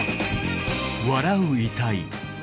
笑う遺体。